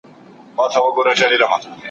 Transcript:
زه به سبا کتابونه ليکم؟